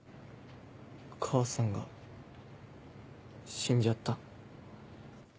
母さんが死んじゃった。